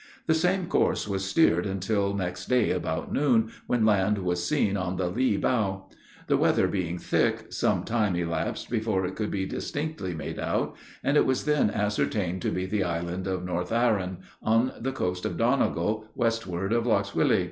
The same course was steered until next day about noon, when land was seen on the lee bow. The weather being thick, some time elapsed before it could be distinctly made out, and it was then ascertained to be the island of North Arran, on the coast of Donegal, westward of Lochswilly.